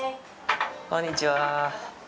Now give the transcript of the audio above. こんにちは。